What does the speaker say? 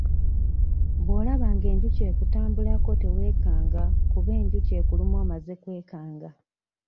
Bw'olaba ng'enjuki ekutambulako teweekanga kuba enjuki ekuluma omaze kwekanga.